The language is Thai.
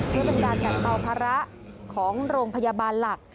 เพื่อเป็นการแบ่งเบาภาระของโรงพยาบาลหลัก